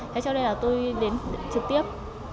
thế cho nên là tôi đến trực tiếp